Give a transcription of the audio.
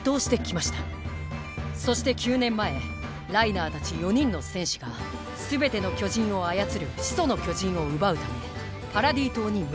そして９年前ライナーたち４人の戦士がすべての巨人を操る「始祖の巨人」を奪うためパラディ島に向かいました。